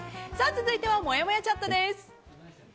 続いては、もやもやチャットです。